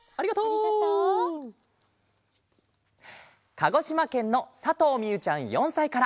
かごしまけんのさとうみゆちゃん４さいから。